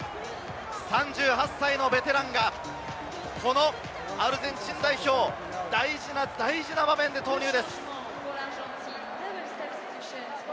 ３８歳のベテランがアルゼンチン代表、大事な大事な場面で投入です。